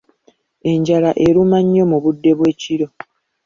Enjala eruma nnyo mu budde bw'ekiro.